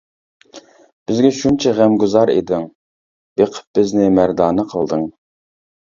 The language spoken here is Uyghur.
بىزگە شۇنچە غەمگۇزار ئىدىڭ، بېقىپ بىزنى مەردانە قىلدىڭ.